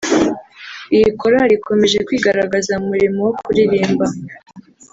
Iyi korali ikomeje kwigaragaza mu murimo wo kuririmba